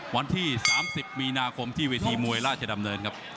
วันที่๓๐มีนาคมที่เวทีมวยราชดำเนินครับ